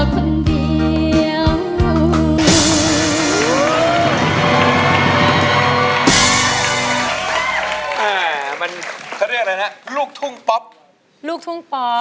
เขาเรียกอะไรนะลูกทุ่งป๊อบ